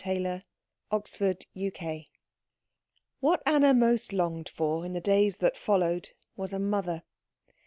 CHAPTER XXIX What Anna most longed for in the days that followed was a mother.